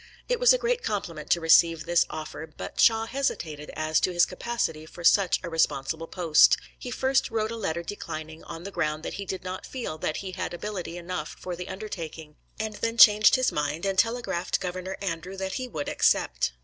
It was a great compliment to receive this offer, but Shaw hesitated as to his capacity for such a responsible post. He first wrote a letter declining, on the ground that he did not feel that he had ability enough for the undertaking, and then changed his mind, and telegraphed Governor Andrew that he would accept.